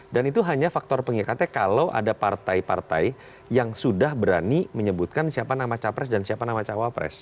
dan itu hanya faktor pengikatnya kalau ada partai partai yang sudah berani menyebutkan siapa nama capres dan siapa nama cawapres